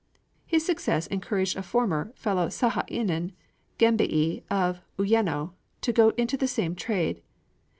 His success encouraged a former fellow sahainin, Genbei of Uyeno, to go into the same trade.